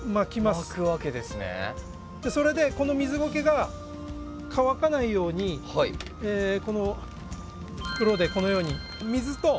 それでこの水ゴケが乾かないようにこの袋でこのように水と光を通さない。